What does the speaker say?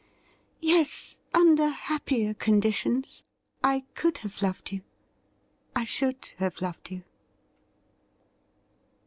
' Yes, under happier conditions I could have lov6d yoiu, I should have loved you.'